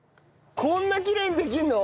こんなきれいにできるの？